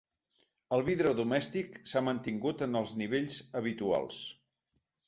El vidre domèstic s’ha mantingut en els nivells habituals.